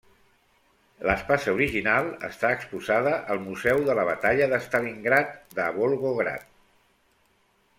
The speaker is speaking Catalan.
L'espasa original està exposada al Museu de la Batalla de Stalingrad de Volgograd.